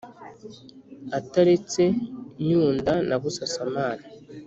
Ataretse Nyunda na Busasamana